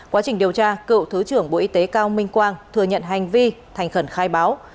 quá trình điều tra cựu thứ trưởng bộ y tế cao minh quang thừa nhận hành vi thành khẩn khai báo